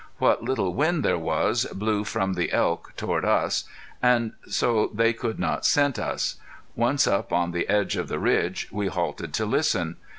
What little wind there was blew from the elk toward us, so they could not scent us. Once up on the edge of the ridge we halted to listen.